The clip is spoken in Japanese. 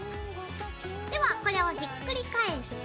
ではこれをひっくり返して。